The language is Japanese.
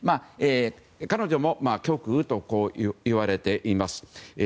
彼女も極右といわれています。